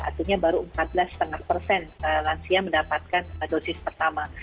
artinya baru empat belas lima persen lansia mendapatkan dosis pertama